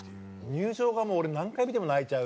入場がもう俺何回見ても泣いちゃう。